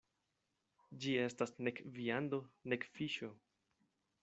Ĝi estas nek viando, nek fiŝo.